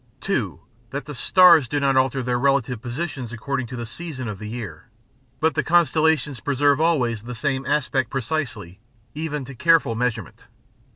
2. That the stars do not alter their relative positions according to the season of the year, but the constellations preserve always the same aspect precisely, even to careful measurement.